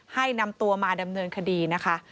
ให้นำตัวมาดำเนินคดีนะคะ